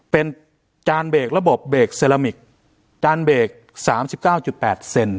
เป็นจานเบรกระบบเบรกเซรามิกจานเบรกสามสิบเก้าจุดแปดเซน